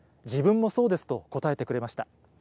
自分もそうですと答えてくれました。